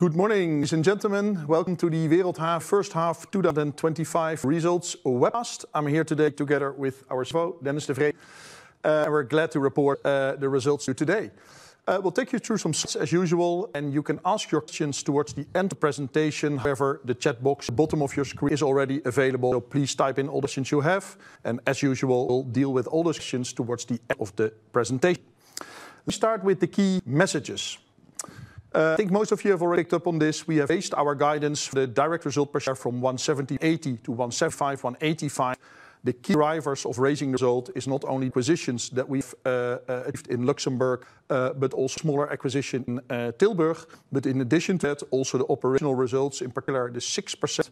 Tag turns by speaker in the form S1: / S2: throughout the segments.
S1: Good morning, ladies and gentlemen. Welcome to the Wereldhave first half 2025 results webcast. I'm here today together with our Dennis de Vreede, and we're glad to report the results to you today. We'll take you through some questions, as usual, and you can ask your questions towards the end of the presentation. However, the chat box at the bottom of your screen is already available, so please type in all the questions you have, and as usual, we'll deal with all the questions towards the end of the presentation. Let's start with the key messages. I think most of you have already picked up on this. We have raised our guidance for the direct result per share from 1.7080-1.75185. The key drivers of raising the result is not only acquisitions that we have achieved in Luxembourg, but also smaller acquisitions in Tilburg. In addition to that, also the operational results, in particular the 6%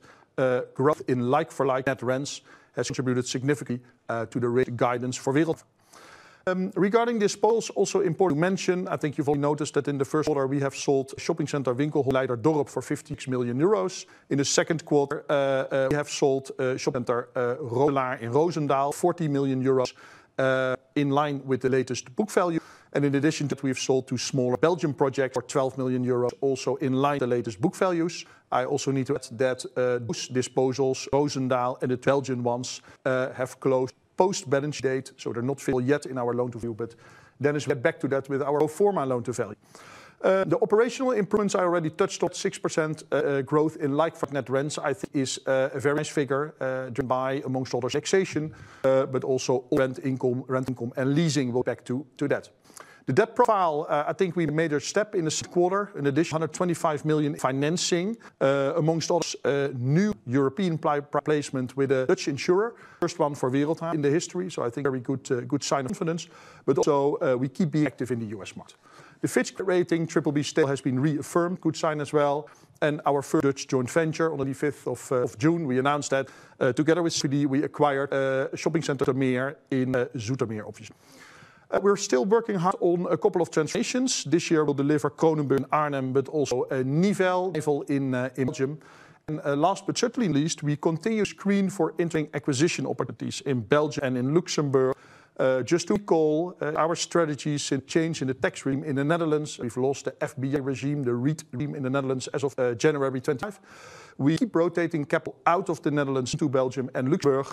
S1: growth in like-for-like net rents, has contributed significantly to the raised guidance for Wereldhave. Regarding this point, it's also important to mention, I think you've already noticed that in the first quarter we have sold a shopping center in Winkelhof, Leiden, and Dordrecht for 56 million euros. In the second quarter, we have sold a shopping center in Roosendaal, 40 million euros, in line with the latest book value. In addition to that, we have sold two smaller Belgian projects for 12 million euros, also in line with the latest book values. I also need to add that those disposals, Roosendaal and the Belgian ones, have closed post-balance date, so they're not visible yet in our loan-to-value. Dennis will get back to that with our pro forma loan-to-value. The operational improvements, I already touched on, 6% growth in like-for-like net rents, I think is a very nice figure, driven by amongst others indexation, but also all rent income and leasing will be affected by that. The debt profile, I think we made a step in this quarter, an additional 125 million in financing amongst others, new European placement with a Dutch insurer, first one for Wereldhave in the history, so I think a very good sign of confidence. We keep being active in the U.S. market. The Fitch rating of BBB still has been reaffirmed, a good sign as well. Our first Dutch joint venture on the 5th of June, we announced that together with Sofidy, we acquired a shopping center in Zoetermeer, obviously. We're still working hard on a couple of transactions this year. We'll deliver Kronenburg, Arnhem, but also Nivel, Nivel in Belgium. Last but certainly not least, we continue to screen for interim acquisition opportunities in Belgium and in Luxembourg. Just to call, our strategies and change in the tax regime in the Netherlands, we've lost the FBI regime, the REIT regime in the Netherlands as of January 2025. We keep rotating capital out of the Netherlands to Belgium and Luxembourg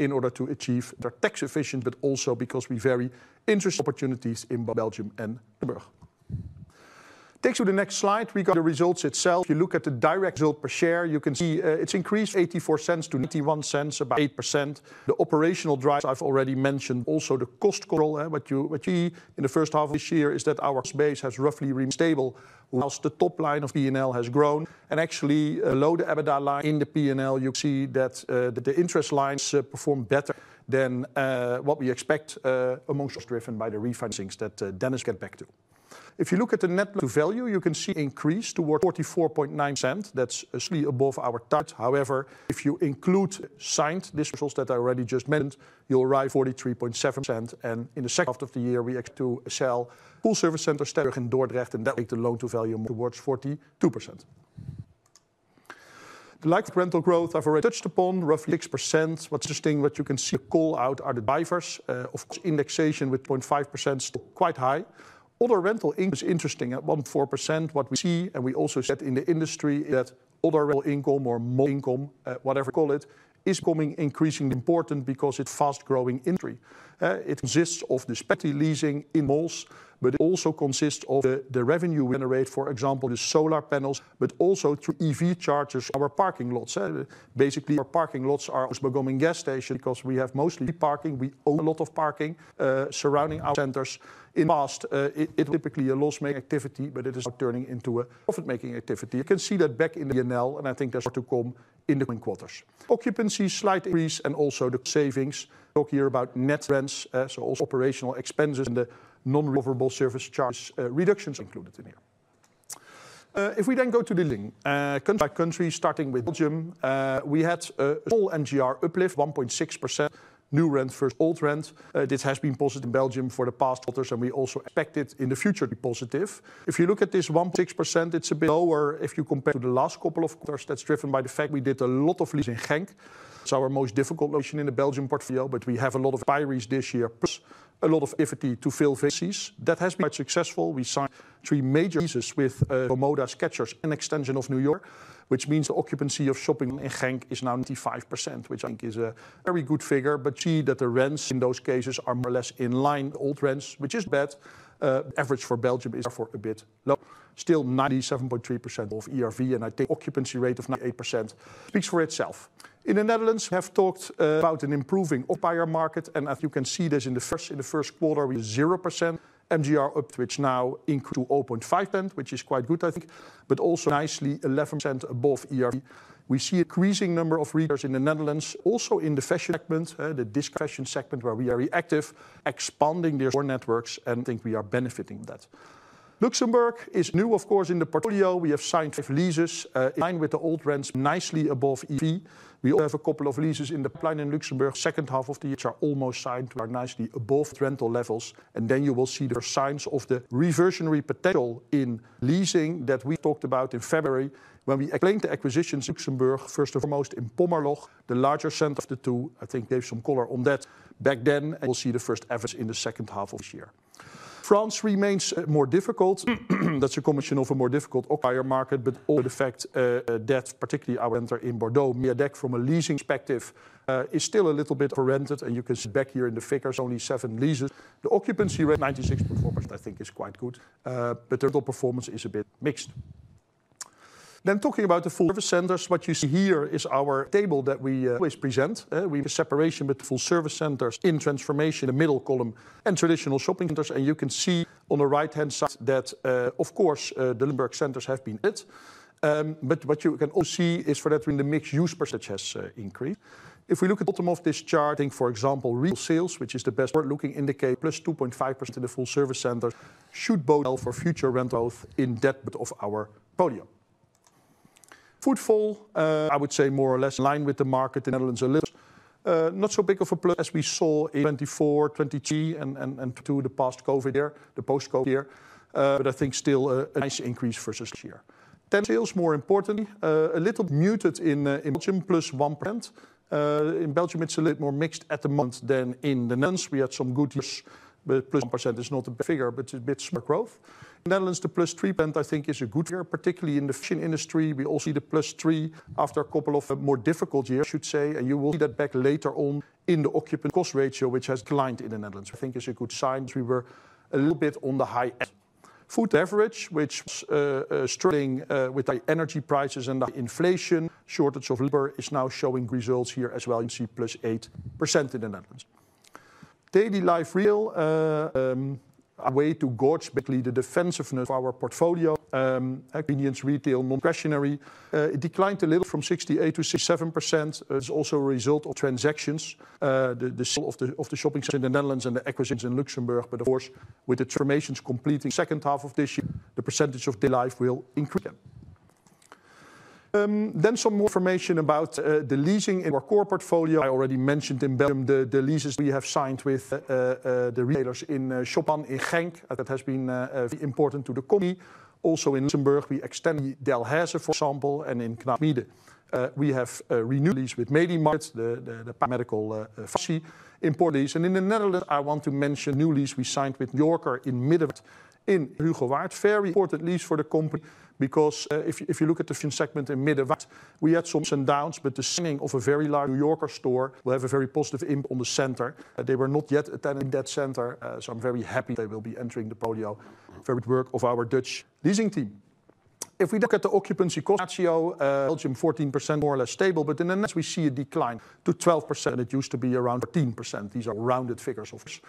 S1: in order to achieve tax efficiency, but also because we vary interest opportunities in both Belgium and Luxembourg. Takes you to the next slide. We got the results itself. If you look at the direct result per share, you can see it's increased from 0.84-0.91, about 8%. The operational drive, as I've already mentioned, also the cost control. What you see in the first half of this year is that our space has roughly remained stable whilst the top line of P&L has grown. Actually, below the EBITDA line in the P&L, you can see that the interest lines perform better than what we expect, amongst others, driven by the refinancings that Dennis went back to. If you look at the net loan-to-value, you can see it increased towards 44.9%. That's actually above our target. However, if you include the signed disposals that I already just mentioned, you'll arrive at 43.7%. In the second half of the year, we expect to sell Full Service Centers in Dordrecht and that will make the loan-to-value more towards 42%. The like-for-like rental growth I've already touched upon, roughly 6%. The thing that you can see a call out are the diverse indexation with 0.5% still quite high. Other rental income is interesting at 1.4%. What we see, and we also see that in the industry, is that other rental income or more income, whatever you call it, is becoming increasingly important because it's a fast-growing industry. It consists of the specialty leasing in malls, but it also consists of the revenue we generate, for example, the solar panels, but also through EV chargers in our parking lots. Basically, our parking lots are almost becoming gas stations because we have mostly parking. We own a lot of parking surrounding our centers. In the past, it was typically a loss-making activity, but it is now turning into a profit-making activity. You can see that back in the P&L, and I think that's going to come in the coming quarters. Occupancy is slightly increased and also the savings. Talk here about net rents, so also operational expenses and the non-lovable service charge reductions included in here. If we then go to the country by country, starting with Belgium, we had a small NGR uplift, 1.6% new rent versus old rent. This has been positive in Belgium for the past quarters, and we also expect it in the future to be positive. If you look at this 1.6%, it's a bit lower if you compare to the last couple of quarters. That's driven by the fact we did a lot of leasing in Genk. It's our most difficult location in the Belgium portfolio, but we have a lot of acquirers this year. Plus, a lot of effort to fill leases. That has been quite successful. We signed three major leases with Pomodas, Catchers, and an extension of New York, which means the occupancy of shopping in Genk is now 95%, which I think is a very good figure. You can see that the rents in those cases are more or less in line with old rents, which is bad. The average for Belgium is therefore a bit lower. Still 97.3% of ERV and I think the occupancy rate of 98% speaks for itself. In the Netherlands, we have talked about an improving operation market, and as you can see this in the first quarter, we had a 0% NGR uptick, which now increased to 0.5%, which is quite good, I think. Also nicely 11% above ERV. We see an increasing number of retailers in the Netherlands, also in the fashion segment, the discount fashion segment where we are very active, expanding their networks, and I think we are benefiting from that. Luxembourg is new, of course, in the portfolio. We have signed five leases in line with the old rents nicely above ERV. We also have a couple of leases in the plan in Luxembourg in the second half of the year, which are almost signed to our nicely above rental levels. You will see the first signs of the reversionary potential in leasing that we talked about in February when we explained the acquisitions in Luxembourg, first and foremost in Pommerloch, the larger center of the two. I think we gave some color on that back then, and we'll see the first efforts in the second half of this year. France remains more difficult. That's a commission of a more difficult operation market, but also the fact that particularly our center in Bordeaux, Meadeck, from a leasing perspective, is still a little bit overrented, and you can see back here in the figures only seven leases. The occupancy rate of 96.4% I think is quite good, but the rental performance is a bit mixed. Talking about the Full Service Centers, what you see here is our table that we always present. We have a separation with the Full Service Centers in transformation in the middle column and traditional shopping centers. You can see on the right-hand side that, of course, the Limburg centers have been hit. What you can also see is that in the mixed-use percentage, it has increased. If we look at the bottom of this chart, for example, retail sales, which is the best part, looking in the case, + 2.5% in the Full Service Center, should bode well for future rentals in that bit of our portfolio. Footfall, I would say, is more or less in line with the market in the Netherlands, a little. Not so big of a plus as we saw in 2024 and 2022, the post-COVID year, but I think still a nice increase versus this year. Dental sales, more importantly, a little bit muted in Belgium, +1%. In Belgium, it's a little bit more mixed at the moment than in the Netherlands. We had some good years, but +1% is not a bad figure, but it's a bit slower growth. Netherlands, the +3% I think is a good year, particularly in the fashion industry. We all see the +3% after a couple of more difficult years, I should say, and you will see that back later on in the occupant cost ratio, which has declined in the Netherlands. I think it's a good sign that we were a little bit on the high end. Food average, which was struggling with the energy prices and the inflation shortage of labor, is now showing results here as well. You can see +8% in the Netherlands. Daily life real, I'm way too gorgeous, but the defensiveness of our portfolio, convenience retail non-traditional, it declined a little from 68%-67%. It's also a result of transactions, the sale of the shopping centers in the Netherlands and the acquisitions in Luxembourg. With the transformations completing the second half of this year, the percentage of daily life will increase again. Some more information about the leasing in our core portfolio. I already mentioned in Belgium the leases we have signed with the retailers in Chopin in Genk. That has been very important to the company. Also in Luxembourg, we extended the Delhaize, for example, and in Knapmeer we have renewed lease with Medimart, the biomedical facility in Portuguese. In the Netherlands, I want to mention a new lease we signed with New Yorker in Middenwijk in Hugo Waard. It's a very important lease for the company because if you look at the fintech segment in Middenwijk, we had some ups and downs, but the signing of a very large New Yorker store will have a very positive impact on the center. They were not yet attending that center, so I'm very happy they will be entering the portfolio for the work of our Dutch leasing team. If we look at the occupancy cost ratio, Belgium 14% more or less stable, but in the Netherlands we see a decline to 12%. It used to be around 13%. These are rounded figures, of course.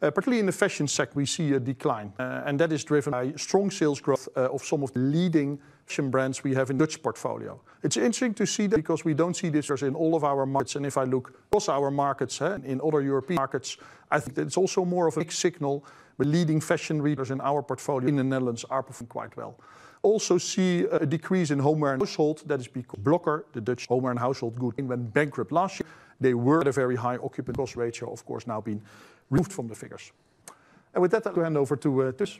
S1: Particularly in the fashion sector, we see a decline, and that is driven by strong sales growth of some of the leading fashion brands we have in the Dutch portfolio. It's interesting to see that because we don't see this in all of our markets. If I look across our markets and in other European markets, I think it's also more of a big signal. The leading fashion retailers in our portfolio in the Netherlands are performing quite well. We also see a decrease in homeware households. That is because Blokker, the Dutch homeware household, went bankrupt last year. They were at a very high occupant cost ratio, of course, now being removed from the figures. With that, I'll hand over to Dennis.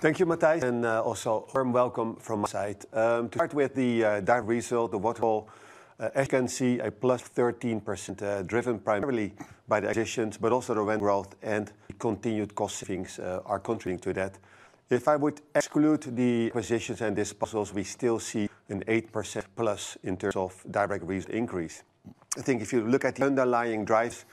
S2: Thank you, Matthijs, and also a warm welcome from my side. To start with the direct result, the waterfall, as you can see, a +13% driven primarily by the acquisitions, but also the rent growth and continued cost savings are contributing to that. If I would exclude the acquisitions and disposals, we still see an 8%+ in terms of direct result increase. I think if you look at the underlying drives,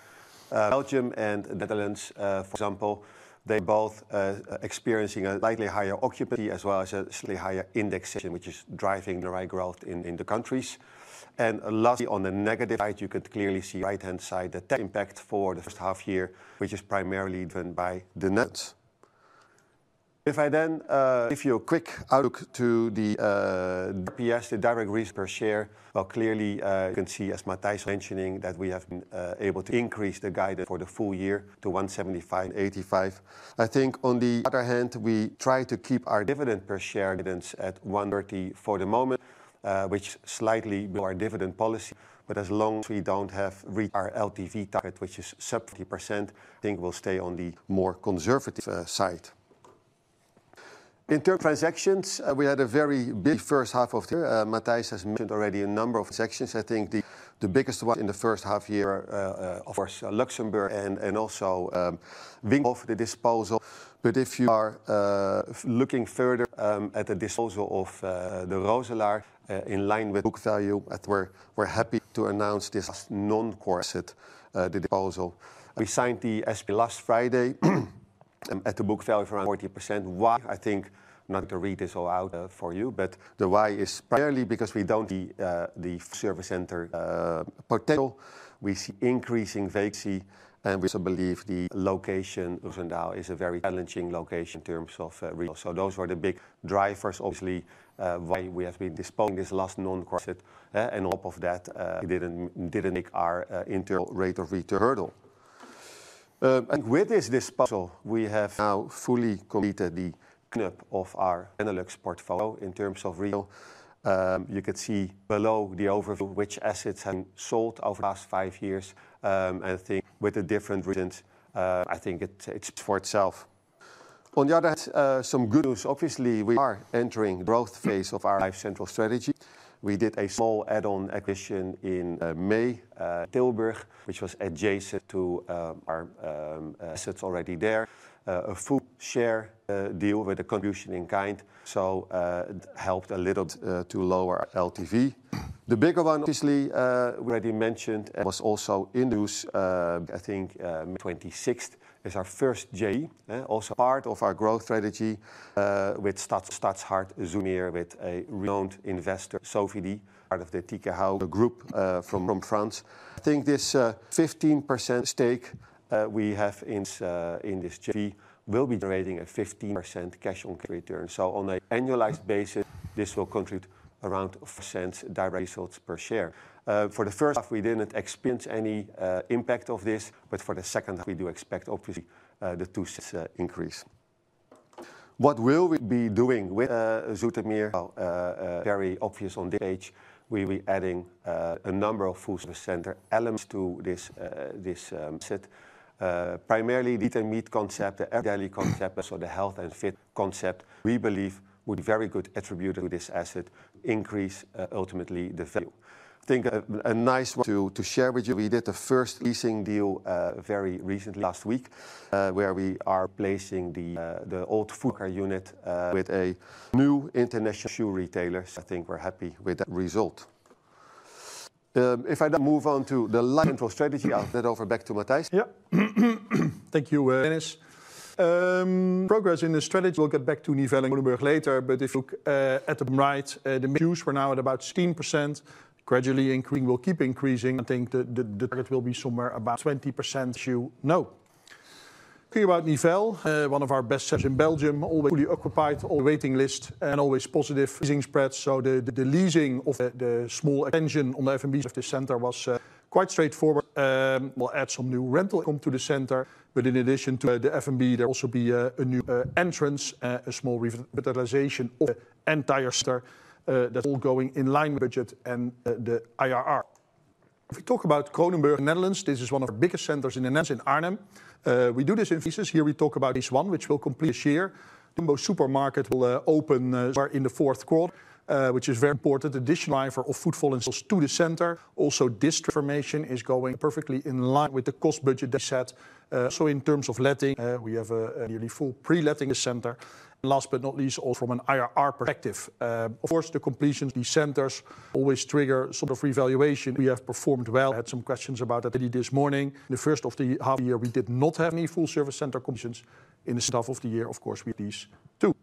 S2: Belgium and the Netherlands, for example, they both are experiencing a slightly higher occupancy as well as a slightly higher indexation, which is driving direct growth in the countries. Lastly, on the negative side, you could clearly see on the right-hand side the debt impact for the first half year, which is primarily driven by the net. If I then give you a quick outlook to the EPS, the direct result per share, you can see as Matthijs mentioning that we have been able to increase the guidance for the full year to 1.7585. On the other hand, we try to keep our dividend per share guidance at 1.30 for the moment, which is slightly below our dividend policy. As long as we don't have reached our LTV target, which is sub 30%, I think we'll stay on the more conservative side. In terms of transactions, we had a very busy first half of the year. Matthijs has mentioned already a number of transactions. I think the biggest one in the first half year was Luxembourg and also Winkelhof, the disposal. If you are looking further at the disposal of the Roosendaal in line with book value, we're happy to announce this as a non-core asset, the disposal. We signed the SP last Friday at the book value of around 40%. Why? I think I'm not going to read this all out for you, but the why is primarily because we don't see the service center portfolio. We see increasing vacancy and we also believe the location in Roosendaal is a very challenging location in terms of retail. Those were the big drivers. Obviously, why we have been disposing of this last non-core asset and on top of that, we didn't make our internal rate of return hurdle. With this disposal, we have now fully completed the clip of our analytics portfolio in terms of retail. You can see below the overview which assets have been sold over the last five years. I think with the different regions, I think it speaks for itself. On the other hand, some good news. Obviously, we are entering the growth phase of our LifeCentral strategy. We did a small add-on acquisition in May, Tilburg, which was adjacent to our assets already there. A full share deal with the contribution in kind. It helped a little to lower our LTV. The bigger one, obviously, we already mentioned was also in Zoetermeer. I think May 26th is our first JV, also part of our growth strategy with Stadshart Zoetermeer with a renowned investor, Sofidy, part of the Tikehau Group from France. I think this 15% stake we have in this JV will be generating a 15% cash-on-cash return. On an annualized basis, this will contribute around 4% direct result per share. For the first half, we didn't expect any impact of this, but for the second half, we do expect obviously the 2% increase. What will we be doing with Zoetermeer? Very obvious on this page, we'll be adding a number of Full Service Centers elements to this asset. Primarily, the Dieter Mieth concept, the air value concept, so the health and fit concept, we believe would be very good attributed to this asset, increase ultimately the value. I think a nice one to share with you, we did the first leasing deal very recently, last week, where we are placing the old Fuka unit with a new international shoe retailer. I think we're happy with that result. If I then move on to the Latin for strategy, I'll hand over back to Matthijs.
S1: Yeah, thank you, Dennis. Progress in the strategy, I'll get back to Nivel and Bloomberg later, but if you look at the right, the mixed-use, we're now at about 16%, gradually increasing, will keep increasing. I think the target will be somewhere about 20%, as you know. Thinking about Nivel, one of our best centers in Belgium, always fully occupied, always waiting list, and always positive leasing spreads. The leasing of the small expansion on the FMB of this center was quite straightforward. We'll add some new rental income to the center, but in addition to the FMB, there will also be a new entrance, a small revitalization of the entire center that's all going in line with the budget and the IRR. If we talk about Kronenburg in the Netherlands, this is one of the biggest centers in the Netherlands, in Arnhem. We do this in phases. Here we talk about phase one, which will complete this year. The most supermarket will open in the fourth quarter, which is very important. The additional offer of food falling sales to the center, also this transformation is going perfectly in line with the cost budget that's set. In terms of letting, we have a nearly full pre-letting center. Last but not least, also from an IRR perspective, of course, the completions of these centers always trigger sort of revaluation. We have performed well. I had some questions about that this morning. In the first half of the year, we did not have any Full Service Center completions. In the second half of the year, of course, we had these two.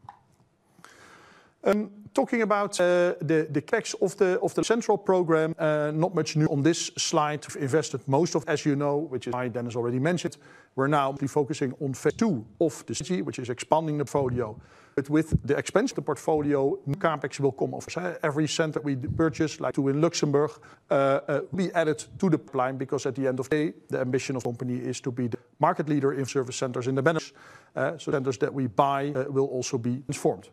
S1: Talking about the specs of the central program, not much new on this slide. We've invested most of, as you know, which is why Dennis already mentioned, we're now focusing on phase two of the strategy, which is expanding the portfolio. With the expansion of the portfolio, new CapEx will come off every center we purchase, like two in Luxembourg. We added to the plan because at the end of the day, the ambition of the company is to be the market leader in service centers in the Netherlands. Centers that we buy will also be transformed.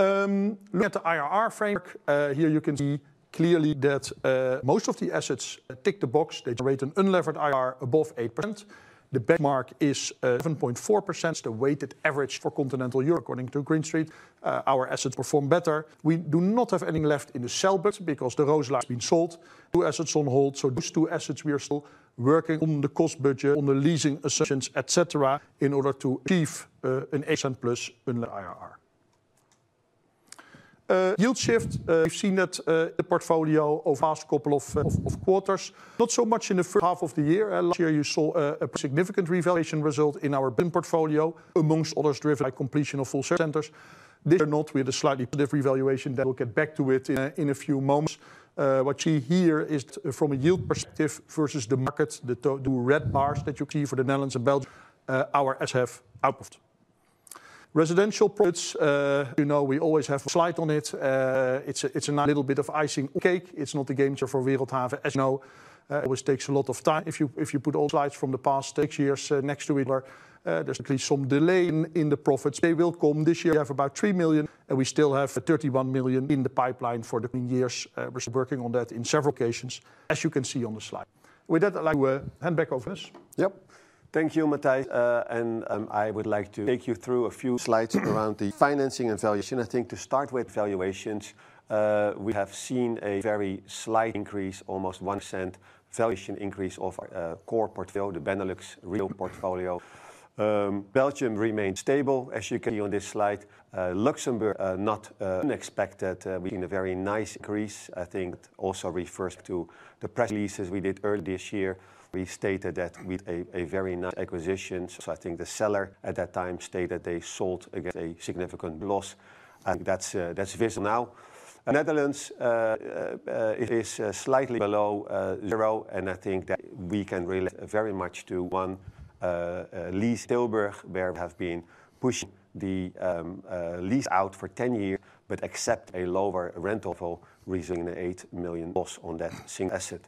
S1: Looking at the IRR framework, here you can see clearly that most of the assets tick the box. They generate an unlevered IRR above 8%. The benchmark is 7.4%. The weighted average for continental Europe, according to Greenstreet, our assets perform better. We do not have any left in the sell budget because the Roosendaal has been sold. Two assets on hold. These two assets, we are still working on the cost budget, on the leasing assumptions, etc., in order to achieve an 8%+ unlevered IRR. Yield shift, we've seen that the portfolio over the last couple of quarters, not so much in the first half of the year. Last year, you saw a significant revaluation result in our BIM portfolio, amongst others driven by completion of Full Service Centers. This year, not, we had a slightly positive revaluation. We'll get back to it in a few months. What you see here is from a yield perspective versus the market, the two red bars that you see for the Netherlands and Belgium, our assets have outperformed. Residential profits, you know, we always have a flight on it. It's a nice little bit of icing on the cake. It's not a game changer for Wereldhave, as you know. It always takes a lot of time. If you put all the slides from the past six years next to each other, there's at least some delay in the profits. They will come. This year, we have about 3 million, and we still have 31 million in the pipeline for the coming years. We're still working on that in several occasions, as you can see on the slide. With that, I'd like to hand back Dennis.
S2: Yep, thank you, Matthijs, and I would like to take you through a few slides around the financing and valuation. I think to start with valuations, we have seen a very slight increase, almost 1% valuation increase of our core portfolio, the Benelux real portfolio. Belgium remains stable, as you can see on this slide. Luxembourg is not unexpected. We've seen a very nice increase. I think that also refers to the press releases we did earlier this year. We stated that we had a very nice acquisition. I think the seller at that time stated they sold against a significant loss. I think that's visible now. The Netherlands is slightly below zero, and I think that we can relate very much to one lease. Tilburg may have been pushing the lease out for 10 years, but accepted a lower rental for reasoning the 8 million loss on that single asset.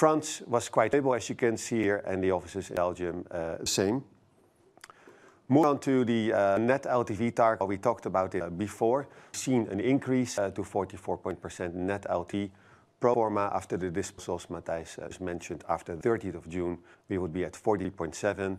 S2: France was quite stable, as you can see here, and the offices in Belgium are the same. Moving on to the net LTV target, we talked about it before. We've seen an increase to 44.4% net LTV. Pro forma after the disposals, as Matthijs mentioned, after the 30th of June, we would be at 40.7%.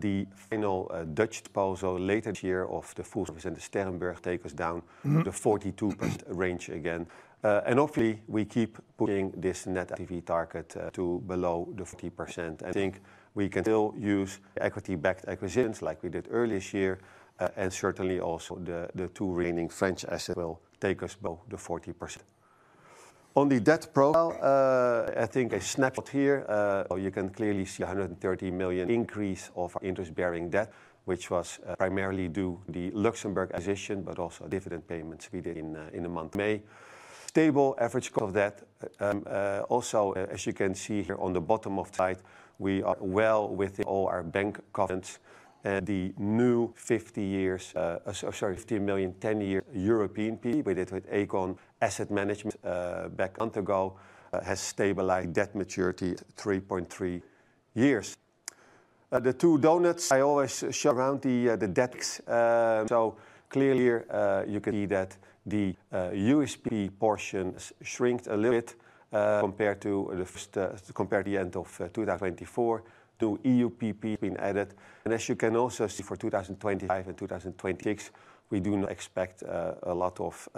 S2: The final Dutch disposal later this year of the Full Service Center in Stellenberg takes us down to the 42% range again. Hopefully, we keep putting this net LTV target to below the 50%. I think we can still use equity-backed acquisitions like we did earlier this year, and certainly also the two remaining French assets will take us below the 40%. On the debt profile, I think a snapshot here, you can clearly see a 130 million increase of our interest-bearing debt, which was primarily due to the Luxembourg acquisition, but also the dividend payments we did in the month of May. Stable average cost of debt. Also, as you can see here on the bottom of the slide, we are well within all our bank covenants. The new 50 million 10-year European PE, we did with Aecon Asset Management back a month ago, has stabilized debt maturity at 3.3 years. The two donuts, I always shove around the debts. Clearly, you can see that the USP portion has shrunk a little bit compared to the first compared to the end of 2024. Two EUPP have been added. As you can also see for 2025 and 2026, we do not expect a lot of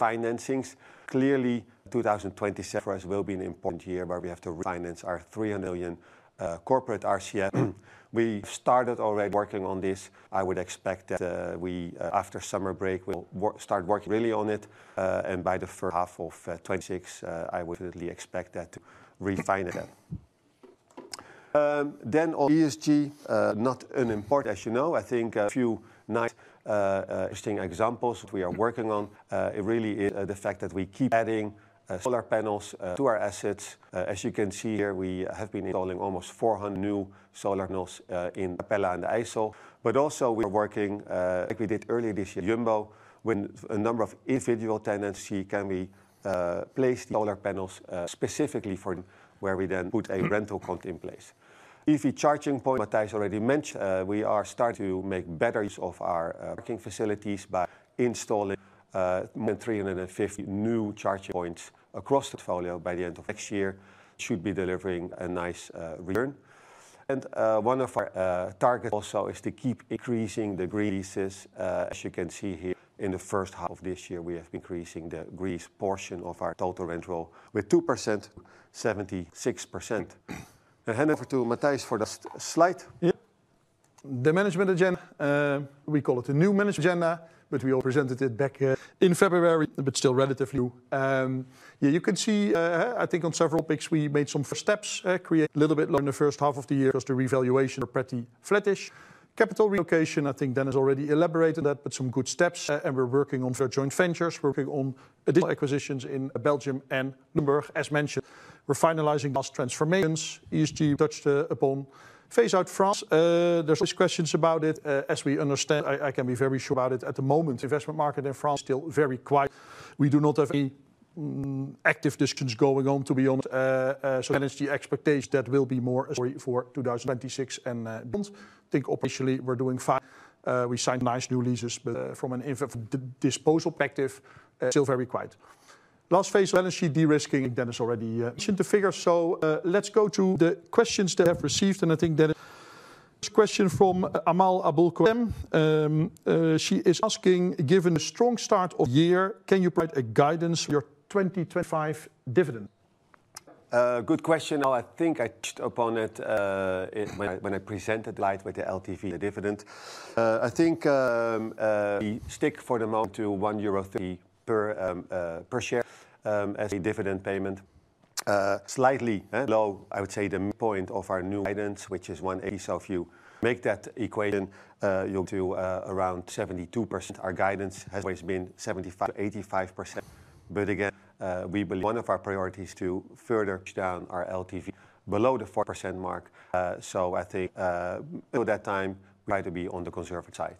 S2: financings. Clearly, 2027 for us will be an important year where we have to refinance our 300 million corporate RCM. We started already working on this. I would expect that we, after summer break, will start working really on it. By the first half of 2026, I would definitely expect to refinance that. On ESG, not unimportant, as you know, I think a few nice interesting examples that we are working on. It really is the fact that we keep adding solar panels to our assets. As you can see here, we have been installing almost 400 new solar panels in Capella and the ISO. We are also working, like we did earlier this year with Jumbo, with a number of individual tenants. Can we place the solar panels specifically for them where we then put a rental content in place? Easy charging point, Matthijs already mentioned, we are starting to make batteries of our parking facilities by installing more than 350 new charging points across the portfolio by the end of next year. It should be delivering a nice return. One of our targets also is to keep increasing the green leases. As you can see here, in the first half of this year, we have been increasing the green lease portion of our total rental with 2%, 76%. I'll hand over to Matthijs for the last slide.
S1: Yep. The management agenda, we call it a new management agenda, but we all presented it back in February, but still relatively new. Yeah, you can see, I think on several pics, we made some first steps, created a little bit lower in the first half of the year, because the revaluation was pretty flattish. Capital relocation, I think Dennis already elaborated that, but some good steps. We're working on joint ventures, we're working on additional acquisitions in Belgium and Luxembourg, as mentioned. We're finalizing the last transformations. ESG touched upon. Phase out France, there's questions about it. As we understand, I can be very sure about it at the moment. The investment market in France is still very quiet. We do not have any active decisions going on, to be honest. Dennis is the expectation that will be more a story for 2026 and beyond. I think officially we're doing fine. We signed nice new leases, but from a disposal perspective, still very quiet. Last phase, energy de-risking, Dennis already mentioned the figures. Let's go to the questions that I've received, and I think Dennis has a question from Amal Abulkwem. She is asking, given the strong start of the year, can you provide a guidance for your 2025 dividend?
S2: Good question. I think I touched upon it when I presented the slide with the LTV dividend. I think we stick for the moment to 1.30 euro per share as the dividend payment, slightly below, I would say, the midpoint of our new guidance, which is 1.80. If you make that equation, you're to around 72%. Our guidance has always been 75%-85%. We believe one of our priorities is to further push down our LTV below the 40% mark. I think for that time, we'll try to be on the conservative side.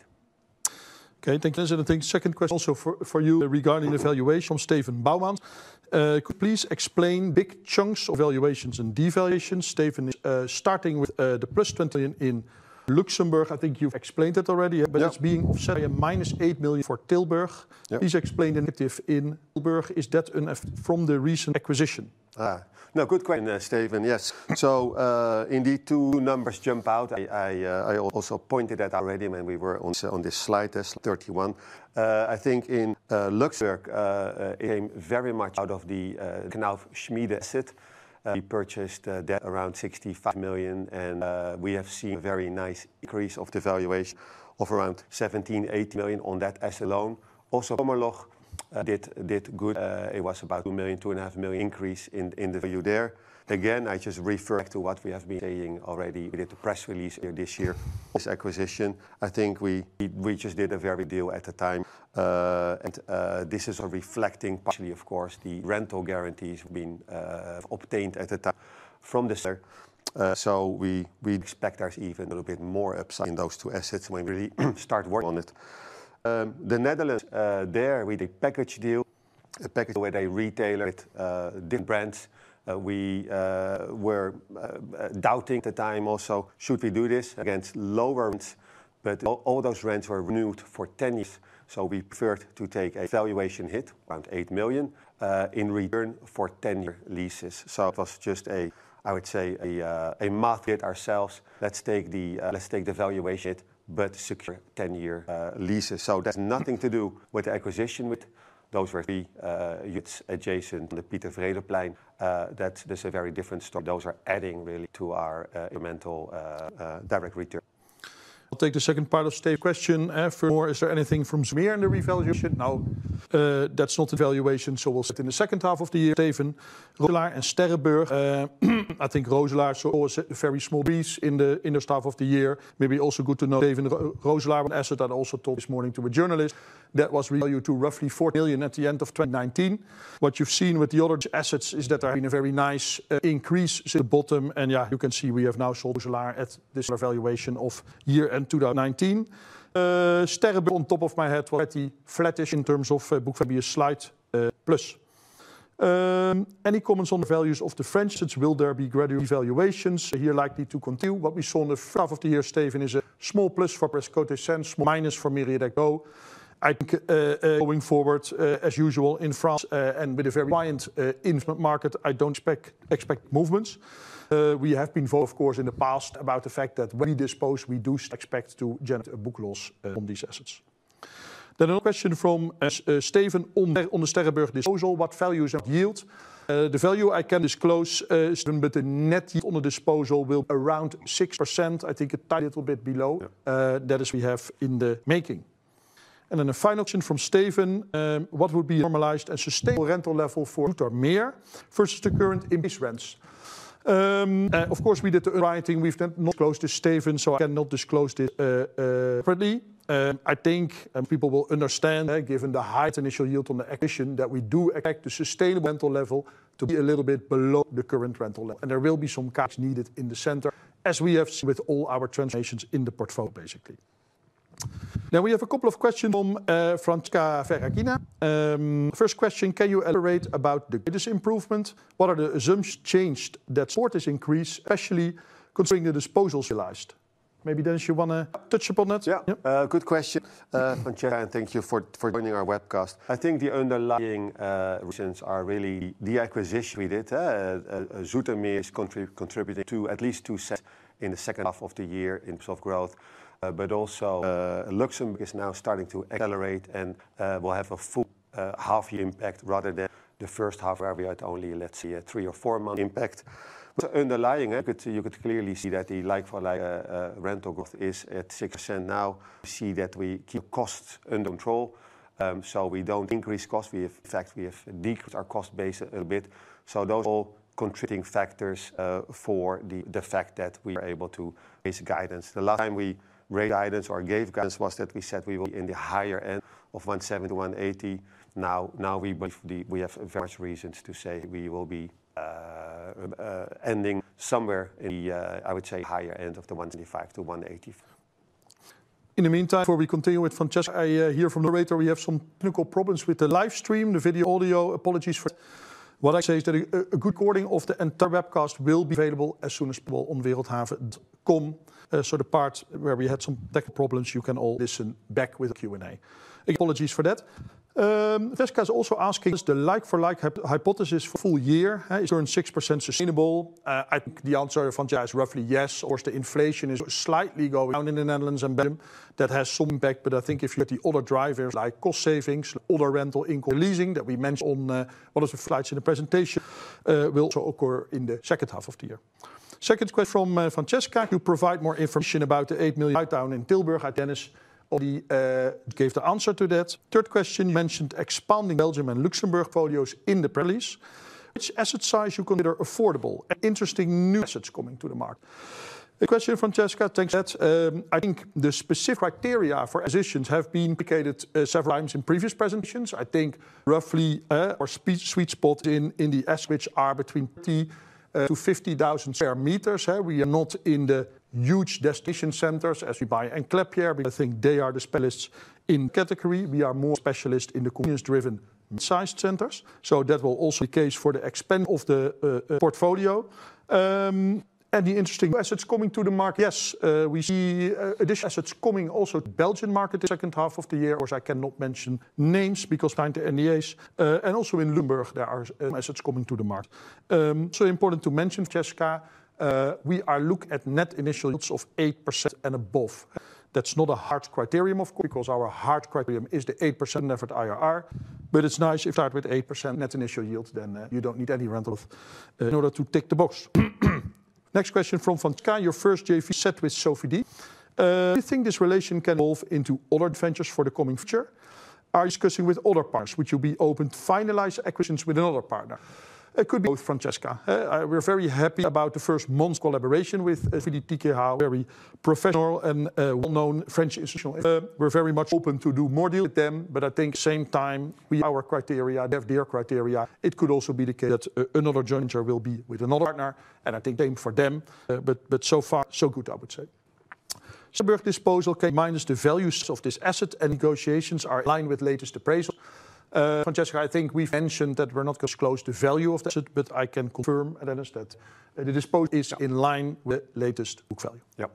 S1: Okay, thank you, Dennis. I think the second question also for you regarding the valuation from Steven Bauman. Please explain big chunks of valuations and devaluations. Steven, starting with the 20 million in Luxembourg. I think you've explained it already, but it's being set by a minus 8 million for Tilburg. Please explain the negative in Tilburg. Is that an effect from the recent acquisition?
S2: No, good question, Steven. Yes. So indeed, two numbers jump out. I also pointed that out already when we were on this slide, that's 31. I think in Luxembourg, it came very much out of the Knauf Schmiede asset. We purchased that around 65 million, and we have seen a very nice increase of the valuation of around 17 million, 18 million on that asset alone. Also, Pommerloch did good. It was about 2 million, 2.5 million increase in the value there. I just refer back to what we have been saying already. We did the press release here this year, this acquisition. I think we just did a very good deal at the time. This is reflecting partially, of course, the rental guarantees being obtained at the time from the seller. We expect there's even a little bit more upside in those two assets when we really start working on it. The Netherlands, there, we did a package deal, a package deal with a retailer with different brands. We were doubting at the time also, should we do this against lower rents? All those rents were renewed for 10 years. We preferred to take a valuation hit around 8 million in return for 10-year leases. It was just a, I would say, a must get ourselves. Let's take the valuation hit but secure 10-year leases. That's nothing to do with the acquisition, but those were three units adjacent on the Pieter Verheijdeplein. That's a very different story. Those are adding really to our incremental direct return.
S1: I'll take the second part of the question. First of all, is there anything from Zoetermeer in the revaluation? No, that's not in the valuation, so we'll see it in the second half of the year. Steven, Roosendaal and Stellenberg, I think Roosendaal is always a very small piece in the first half of the year. Maybe also good to know. Steven, Roosendaal was an asset that I also talked about this morning to a journalist. That was revalued to roughly 40 million at the end of 2019. What you've seen with the other assets is that there's been a very nice increase since the bottom. You can see we have now sold Roosendaal at this valuation of year end 2019. Stellenberg, on top of my head, was pretty flattish in terms of book value, a slight plus. Any comments on the values of the French? Will there be gradual devaluations here likely to continue? What we saw in the front half of the year, Steven, is a small plus for Presqu'île Essens, small minus for Meriadeck Bordeaux. I think going forward, as usual in France and with a very quiet investment market, I don't expect movements. We have been told, of course, in the past about the fact that when we dispose, we do expect to generate a book loss on these assets. Another question from Steven on the Stellenberg disposal. What values have yield? The value I can disclose is that the net yield on the disposal will be around 6%. I think a tiny little bit below that is we have in the making. The final question from Steven. What would be normalized as a sustainable rental level for Wintermeer versus the current increased rents? Of course, we did the writing. We've not closed this, Steven, so I cannot disclose this separately. I think people will understand given the highest initial yield on the acquisition that we do expect the sustainable rental level to be a little bit below the current rental level. There will be some cuts needed in the center as we have seen with all our transformations in the portfolio, basically. Now we have a couple of questions from Franziska Verakinner. First question, can you elaborate about the latest improvements? What are the assumptions changed that the support has increased, especially considering the disposals utilized? Maybe Dennis, you want to touch upon it?
S2: Yeah, good question. Franziska, thank you for joining our webcast. I think the underlying reasons are really the acquisition we did. Zoetermeer is contributing to at least two sets in the second half of the year in terms of growth. Luxembourg is now starting to accelerate and will have a full half-year impact rather than the first half where we had only, let's say, a three or four-month impact. Underlying, you could clearly see that the like-for-like rental growth is at 6% now. We see that we keep the cost under control. We don't increase costs. In fact, we have decreased our cost base a little bit. Those are all contributing factors for the fact that we are able to raise the guidance. The last time we raised guidance or gave guidance was that we said we were in the higher end of 170-180. Now we believe we have very much reasons to say we will be ending somewhere in the, I would say, higher end of the 175-180.
S1: In the meantime, before we continue with Franziska, I hear from the moderator we have some technical problems with the livestream, the video audio. Apologies for that. What I can say is that a good recording of the entire webcast will be available as soon as possible on wereldhave.com. The part where we had some technical problems, you can all listen back with the Q&A. Apologies for that. Franziska is also asking if the like-for-like hypothesis for the full year is around 6% sustainable. I think the answer to Franziska is roughly yes, as the inflation is slightly going down in the Netherlands and Belgium. That has some impact, but I think if you look at the other drivers like cost savings, other rental income, leasing that we mentioned on one of the slides in the presentation, will also occur in the second half of the year. Second question from Franziska. Could you provide more information about the 8 million outbound in Tilburg? I think Dennis already gave the answer to that. Third question, you mentioned expanding Belgium and Luxembourg portfolios in the prelims. Which asset size do you consider affordable? Interesting new assets coming to the market. Question from Franziska, thanks Dennis. I think the specific criteria for acquisitions have been replicated several times in previous presentations. I think roughly our sweet spot in the assets are between 20,000-50,000 sq m. We are not in the huge destination centers as we buy an enclave here. I think they are the specialists in the category. We are more specialists in the convenience-driven sized centers. That will also be the case for the expansion of the portfolio. Any interesting new assets coming to the market? Yes, we see additional assets coming also to the Belgian market in the second half of the year, which I cannot mention names because we're trying to NDAs. Also in Bloomberg, there are some assets coming to the market. Important to mention, Franziska, we are looking at net initial yields of 8% and above. That's not a hard criterion, of course, because our hard criterion is the 8% net IRR. It's nice if that with 8% net initial yield, then you don't need any rental in order to tick the box. Next question from Franziska. Your first JV set with Sofidy. Do you think this relation can evolve into other ventures for the coming future? Are you discussing with other partners? Would you be open to finalize acquisitions with another partner? It could be both, Franziska. We're very happy about the first month's collaboration with Sofidy, Tikehau Group, very professional and well-known French institutional. We're very much open to do more deals with them, but I think at the same time, we... Our criteria, they have their criteria. It could also be the case that another joint venture will be with another partner, and I think same for them. So far, so good, I would say. Tilburg disposal case minus the values of this asset and negotiations are in line with the latest appraisal. Franziska, I think we've mentioned that we're not going to disclose the value of the asset, but I can confirm, Dennis, that the disposal is in line with the latest book value. Yeah.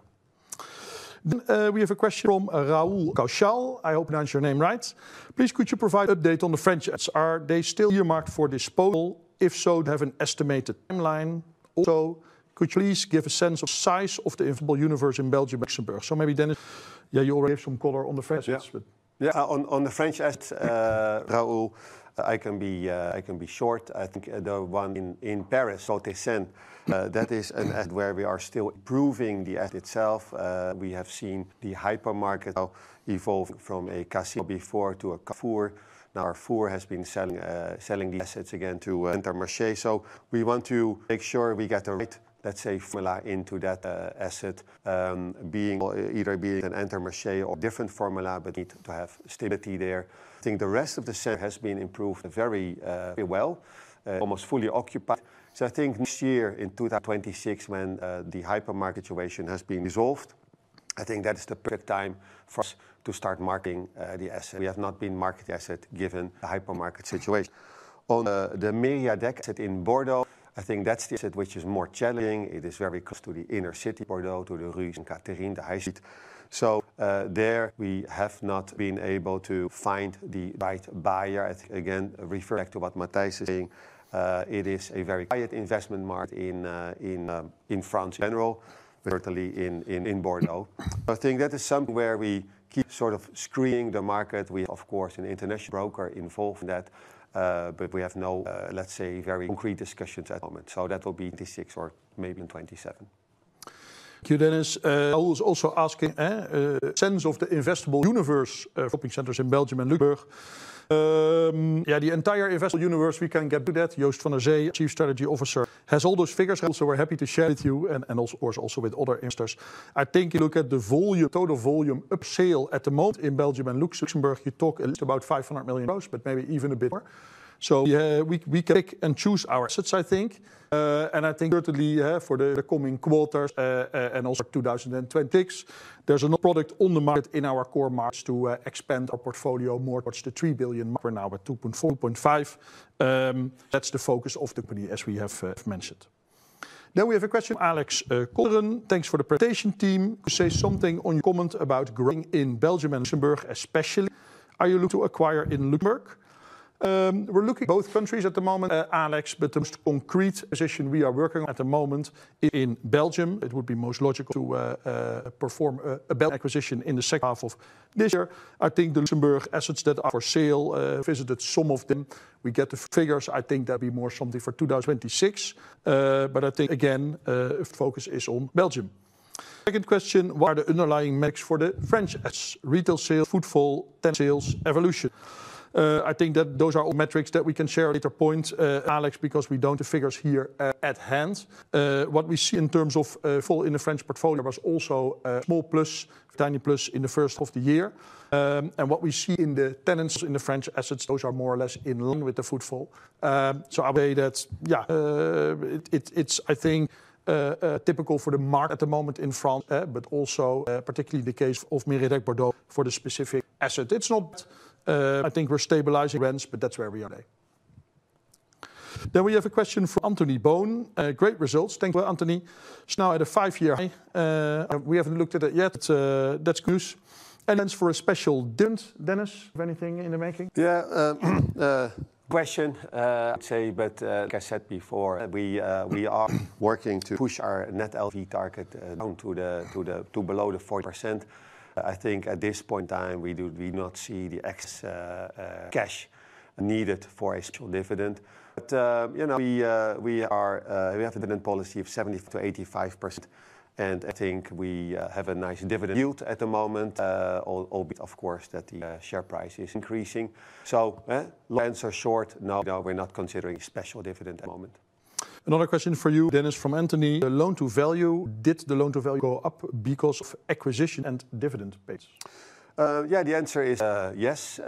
S1: We have a question from Raoul Causchal. I hope I pronounced your name right. Please, could you provide an update on the French assets? Are they still earmarked for disposal? If so, do you have an estimated timeline? Also, could you please give a sense of the size of the inflatable universe in Belgium and Luxembourg? Maybe Dennis, yeah, you already have some color on the French assets.
S2: Yeah, on the French assets, Raoul, I can be short. I think the one in Paris is 100%. That is an asset where we are still improving the asset itself. We have seen the hypermarket now evolve from a Casino before to a Carrefour. Now our Carrefour has been selling the assets again to an Intermarché. We want to make sure we get the right, let's say, formula into that asset, either being an Intermarché or a different formula, but we need to have stability there. I think the rest of the set has been improved very well, almost fully occupied. I think next year in 2026, when the hypermarket situation has been resolved, that is the perfect time for us to start marketing the asset. We have not been marketing the asset given the hypermarket situation. On the Meriedek asset in Bordeaux, I think that's the asset which is more challenging. It is very close to the inner city, Bordeaux, to the Rue Saint-Catherine, the high street. We have not been able to find the right buyer. I think again, refer back to what Matthijs is saying, it is a very quiet investment market in France in general, but certainly in Bordeaux. That is something where we keep sort of screening the market. We, of course, have an international broker involved in that, but we have no, let's say, very concrete discussions at the moment. That will be 2026 or maybe 2027.
S1: Thank you, Dennis. Raoul is also asking the sense of the investable universe of shopping centers in Belgium and Luxembourg. Yeah, the entire investable universe, we can get to that. Joost van der Zee, Chief Strategy Officer, has all those figures. Also, we're happy to share with you and also with other investors. I think you look at the volume, total volume upsale at the moment in Belgium and Luxembourg. You talk about 500 million euros, but maybe even a bit more. We can pick and choose our assets, I think. I think certainly for the coming quarters and also 2026, there's a lot of product on the market in our core markets to expand our portfolio more towards the 3 billion mark now, but 2.4-2.5 billion. That's the focus of the company, as we have mentioned. We have a question from Alex Cullen. Thanks for the presentation, team. Could you say something on your comment about growing in Belgium and Luxembourg, especially? Are you looking to acquire in Luxembourg? We're looking at both countries at the moment, Alex, but the most concrete acquisition we are working on at the moment is in Belgium. It would be most logical to perform a Belgian acquisition in the second half of this year. I think the Luxembourg assets that are for sale, visited some of them. We get the figures. I think that would be more something for 2026. I think again, the focus is on Belgium. Second question, what are the underlying metrics for the French assets? Retail sales, footfall, tenant sales, evolution. I think that those are all metrics that we can share at a later point, Alex, because we don't have the figures here at hand. What we see in terms of footfall in the French portfolio was also a small plus, a tiny plus in the first half of the year. What we see in the tenants in the French assets, those are more or less in line with the footfall. I weigh that, yeah, it's, I think, typical for the market at the moment in France, but also particularly the case of Meriedek Bordeaux for the specific asset. It's not, I think we're stabilizing rents, but that's where we are today. We have a question from Anthony Bone. Great results. Thank you, Anthony. It's now at a five-year high. We haven't looked at it yet. That's good. For a special dint, Dennis, anything in the making?
S2: Yeah, question, I'd say, but like I said before, we are working to push our net LTV target down to below the 40%. I think at this point in time, we do not see the excess cash needed for an additional dividend. We have a dividend policy of 75%-85%, and I think we have a nice dividend yield at the moment, albeit of course that the share price is increasing. Long answer short, no, we're not considering a special dividend at the moment.
S1: Another question for you, Dennis, from Anthony. The loan-to-value, did the loan-to-value go up because of acquisition and dividend paid?
S2: Yeah, the answer is yes.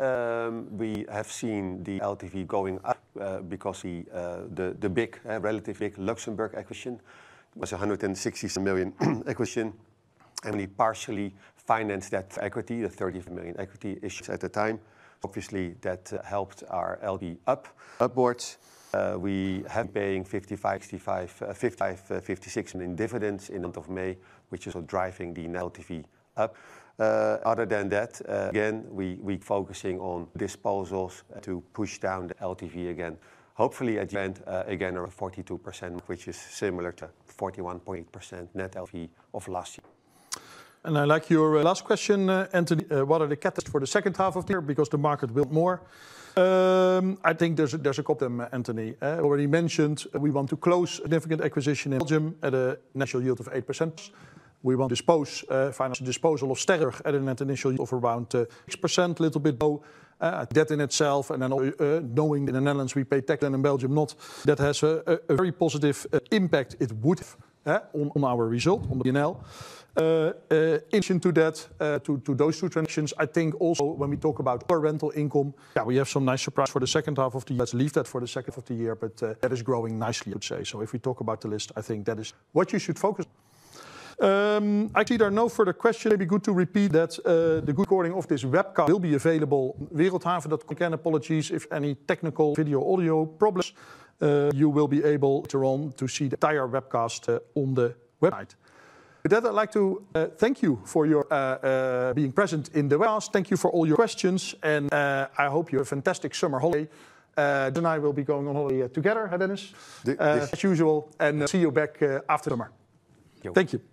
S2: We have seen the LTV going up because the big, relatively big Luxembourg acquisition was a 167 million acquisition. We partially financed that equity, the 35 million equity issued at the time. Obviously, that helped our LTV upwards. We have been paying 55 million, 55 million, 56 million dividends in the month of May, which is driving the LTV up. Other than that, again, we're focusing on disposals to push down the LTV again. Hopefully, at the end, again, around 42%, which is similar to 41.8% net LTV of last year.
S1: I like your last question, Anthony. What are the catch for the second half of the year? The market will be more. I think there's a couple of them, Anthony. I already mentioned we want to close a significant acquisition in Belgium at an initial yield of 8%. We want to dispose, finance a disposal of Stellenberg at an initial yield of around 6%, a little bit lower. That in itself, and then knowing in the Netherlands we pay tax and in Belgium not, that has a very positive impact, it would have, on our result on the BNL. In addition to those two transactions, I think also when we talk about rental income, we have some nice surprise for the second half of the year. Let's leave that for the second half of the year, but that is growing nicely, I would say. If we talk about the list, I think that is what you should focus on. Actually, there are no further questions. Maybe good to repeat that the recording of this webcast will be available at wereldhave.com. Again, apologies if any technical video or audio problems. You will be able to see the entire webcast on the website. With that, I'd like to thank you for your being present in the webcast. Thank you for all your questions, and I hope you have a fantastic summer holiday. Dennis and I will be going on holiday together, Dennis, as usual, and see you back after the market. Thank you.